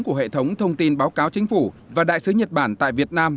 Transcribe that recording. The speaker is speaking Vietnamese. của hệ thống thông tin báo cáo chính phủ và đại sứ nhật bản tại việt nam